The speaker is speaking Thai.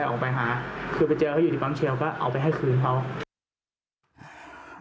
เธอก็เอาไปให้คืนเขา